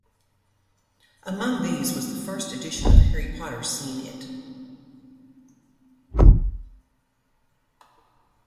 Among these was the first edition of Harry Potter Scene It?